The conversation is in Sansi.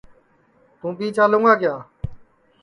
توں بی چالوں گا کیا